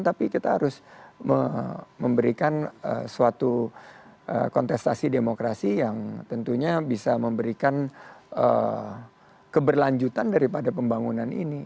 tapi kita harus memberikan suatu kontestasi demokrasi yang tentunya bisa memberikan keberlanjutan daripada pembangunan ini